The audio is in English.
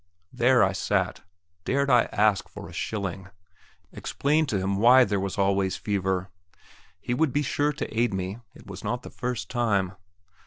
There I sat. Dared I ask for a shilling? explain to him why there was always fever? He would be sure to aid me; it was not the first time.